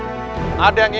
ada yang ingin ditanyakan